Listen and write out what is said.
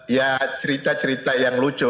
ya cerita cerita yang lucu